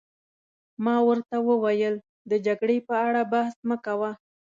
ما ورته وویل: د جګړې په اړه بحث مه کوه.